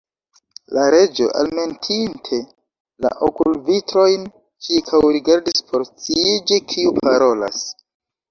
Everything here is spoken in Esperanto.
La Reĝo, almetinte la okulvitrojn, ĉirkaŭrigardis por sciiĝi kiu parolas.